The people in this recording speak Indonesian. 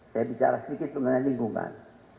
saya bicara sedikit mengenai lingkungan